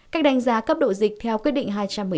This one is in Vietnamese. cách đánh giá cấp độ dịch theo quyết định hai trăm một mươi tám